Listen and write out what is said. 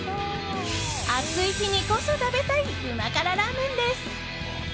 暑い日にこそ食べたい旨辛ラーメンです。